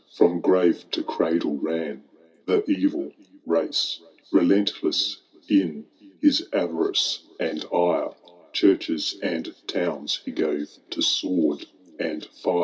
From gmre to cradle ran the evil race: —. Belentless in his avarice and ire^ Ghnzches and towns he gave to sword and fire •, CkniO V.